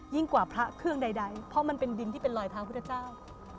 กว่าพระเครื่องใดเพราะมันเป็นดินที่เป็นรอยเท้าพุทธเจ้า